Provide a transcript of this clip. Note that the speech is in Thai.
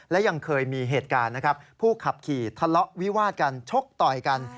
และยังเคยมีเหตุการณ์นะครับผู้ขับขี่ทะเลาะวิวาดกันชกต่อยกัน